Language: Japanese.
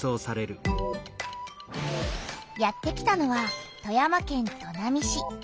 やって来たのは富山県砺波市。